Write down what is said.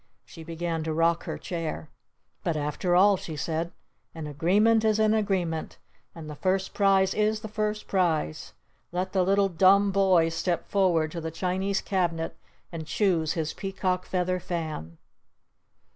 She began to rock her chair. "But after all," she said, "an agreement is an agreement! And the First Prize is the First Prize! Let the Little Dumb Boy step forward to the Chinese Cabinet and choose his Peacock Feather Fan!"